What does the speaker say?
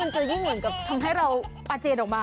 จะยิ่งเหมือนกับทำให้เราอาเจนออกมา